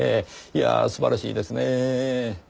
いやあ素晴らしいですねぇ。